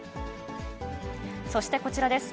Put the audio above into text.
そしてこちらです。